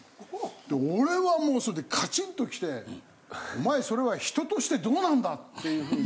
で俺はもうそれでカチンときてお前それは人としてどうなんだ？っていう風に。